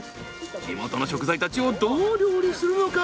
地元の食材たちをどう料理するのか。